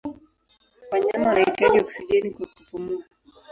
Wanyama wanahitaji oksijeni kwa kupumua.